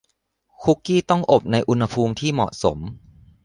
คุกกี้ต้องอบในอุณหภูมิที่เหมาะสม